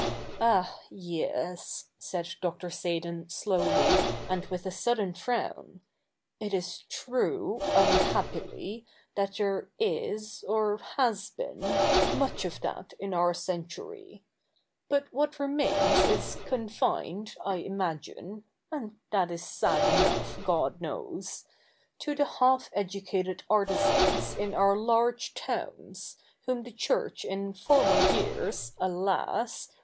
" x\h, yes,' said Dr. Seydon slowly, and with a sudden frown, ' it is true, unhappily, that there is, or has been, much of that in our century. But what remains is confined, I imagine (and that is sad enough, God knows), to the half educated artisans in our large towns, cii. iv] THE NEW REPUBLIC 165 whom the Church in former years, alas